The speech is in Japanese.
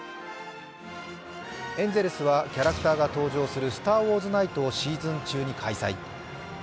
エンゼルスはキャラクターが登場するスター・ウォーズナイトをシーズン中に開催。